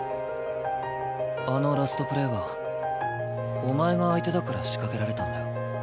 あのラストプレーはお前が相手だから仕掛けられたんだよ。